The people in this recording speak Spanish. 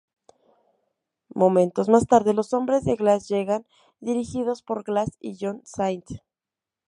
Momentos más tarde, los hombres de Glass llegan, dirigidos por Glass y John Saint.